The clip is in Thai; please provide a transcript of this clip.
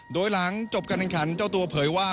โดยหลังจบการแข่งขันเจ้าตัวเผยว่า